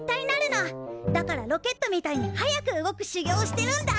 だからロケットみたいに速く動く修行をしてるんだ！